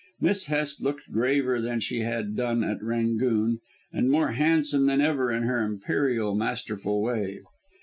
Miss Hest looked graver than she had done at "Rangoon," and more handsome than ever in her imperial, masterful way.